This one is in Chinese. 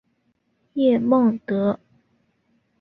叶梦得。